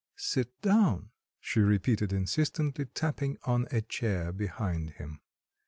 "Sit down," she repeated insistently, tapping on a chair behind him.